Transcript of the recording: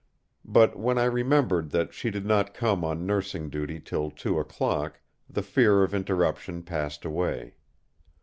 But when I remembered that she did not come on nursing duty till two o'clock, the fear of interruption passed away.